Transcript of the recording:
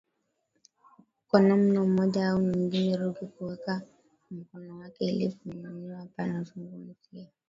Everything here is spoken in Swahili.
kwa namna moja au nyingine Ruge kuweka mkono wake ili kumnyanyua hapa nazungumzia